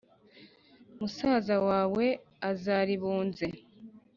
musaza wawe azaribunze